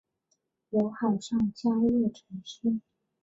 有海上嘉月尘诗。